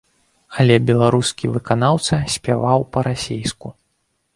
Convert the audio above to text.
Але беларускі выканаўца спяваў па-расейску.